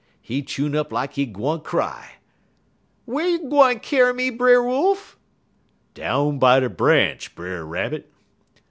He chune up lak he gwine cry: "'Whar you gwine kyar me, Brer Wolf?' "'Down by de branch, Brer Rabbit.'